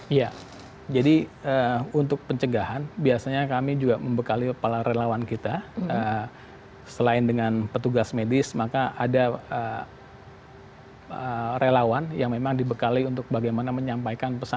iya jadi untuk pencegahan biasanya kami juga membekali kepala relawan kita selain dengan petugas medis maka ada relawan yang memang dibekali untuk bagaimana menyampaikan pesan